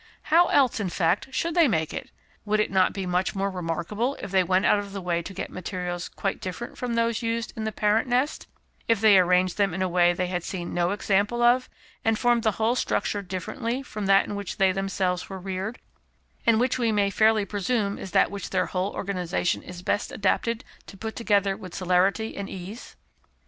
How else, in fact, should they make it? Would it not be much more remarkable if they went out of their way to get materials quite different from those used in the parent nest, if they arranged them in a way they had seen no example of, and formed the whole structure differently from that in which they themselves were reared, and which we may fairly presume is that which their whole organization is best adapted to put together with celerity and ease?